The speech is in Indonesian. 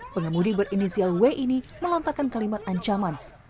pengemudi berinisial w ini melontarkan kalimat ancaman